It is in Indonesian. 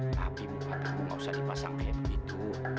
tapi muka muka saya enggak usah di pasang kayak begitu